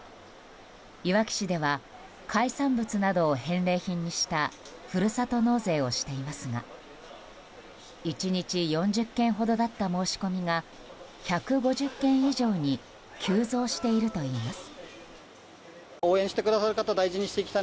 いわき市では海産物などを返礼品にしたふるさと納税をしていますが１日４０件ほどだった申し込みが１５０件以上に急増しているといいます。